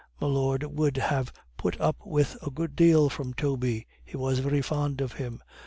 Milord would have put up with a good deal from Toby; he was very fond of him.